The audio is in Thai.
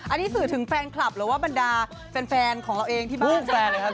อันนี้สื่อถึงแฟนคลับหรือว่าบันดาลเป็นแฟนของเราเองที่บ้าน